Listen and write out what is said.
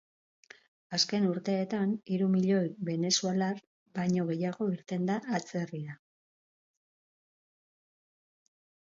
Azken urteetan hiru milioi venezuelar baino gehiago irten da atzerrira.